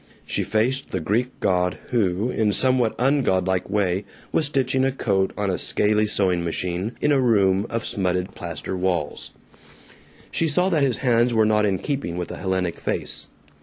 She faced the Greek god who, in a somewhat ungodlike way, was stitching a coat on a scaley sewing machine, in a room of smutted plaster walls. She saw that his hands were not in keeping with a Hellenic face.